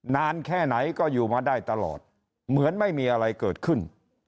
นานแค่ไหนก็อยู่มาได้ตลอดเหมือนไม่มีอะไรเกิดขึ้น